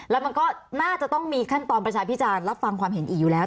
แล้วมันก็น่าจะต้องมีขั้นตอนประชาพิจารณ์รับฟังความเห็นอีกอยู่แล้ว